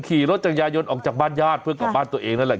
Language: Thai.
ขี่รถจักรยายนออกจากบ้านญาติเพื่อกลับบ้านตัวเองนั่นแหละ